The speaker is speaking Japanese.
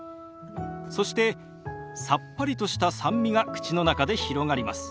そしてさっぱりとした酸味が口の中で広がります。